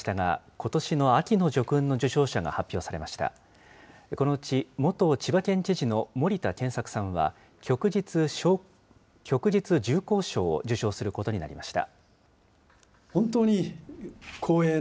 このうち、元千葉県知事の森田健作さんは、旭日重光章を受章することになりました。